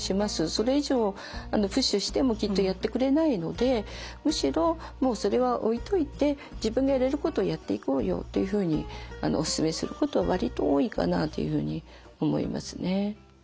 それ以上プッシュしてもきっとやってくれないのでむしろもうそれは置いといて自分がやれることをやっていこうよというふうにお勧めすることは割と多いかなというふうに思いますね。